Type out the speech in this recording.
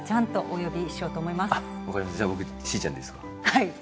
はい。